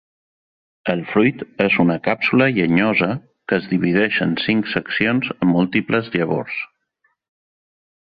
El fruit és una càpsula llenyosa que es divideix en cinc seccions amb múltiples llavors.